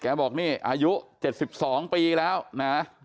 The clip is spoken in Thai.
บอกนี่อายุ๗๒ปีแล้วนะ